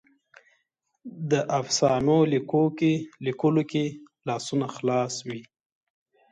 د افسانو لیکلو کې لاسونه خلاص وي.